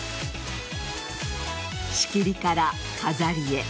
仕切りから飾りへ。